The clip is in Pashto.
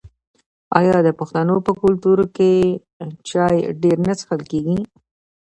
آیا د پښتنو په کلتور کې چای ډیر نه څښل کیږي؟